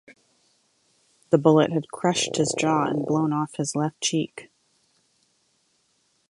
The bullet had crushed his jaw and blown off his left cheek.